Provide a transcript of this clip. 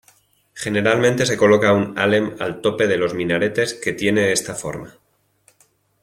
Generalmente se coloca un ""alem"" al tope de los minaretes que tiene esta forma.